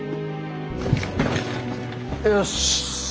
よし！